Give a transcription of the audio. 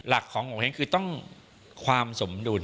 หลักของโงเห้งคือต้องความสมดุล